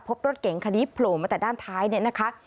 พบรถเก๋งคณิปโปรมาตั้งแต่ด้านท้าย